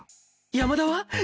山田は？